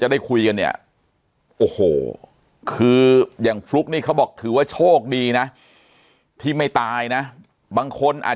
ได้คุยกันเนี่ยโอ้โหคืออย่างฟลุ๊กนี่เขาบอกถือว่าโชคดีนะที่ไม่ตายนะบางคนอาจ